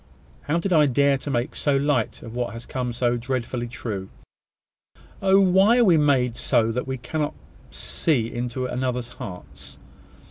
How did I dare to make so light of what has come so dreadfully true? Oh! why are we so made that we cannot see into one another's hearts?